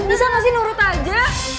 bisa nggak sih nurut aja